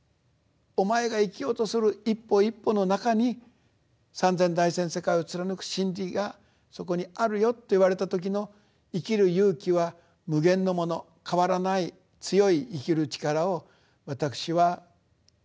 お前が生きようとする一歩一歩の中に「三千大千世界」を貫く真理がそこにあるよって言われた時の生きる勇気は無限のもの変わらない強い生きる力を私は頂ける。